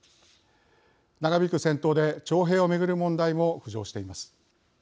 長引く戦闘で徴兵を巡る問題も浮上しています。